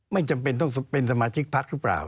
ไม่จำเป็นต้องเป็นสมาชิกพักหรือเปล่า